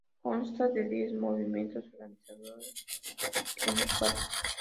Consta de diez movimientos, organizados en dos partes.